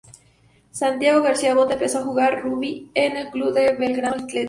Santiago García Botta empezó a jugar rugby en el club Belgrano Athletic.